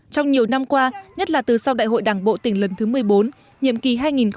trong nhiều năm qua nhất là từ sau đại hội đảng bộ tỉnh lần thứ một mươi bốn nhiệm kỳ hai nghìn hai mươi hai nghìn hai mươi năm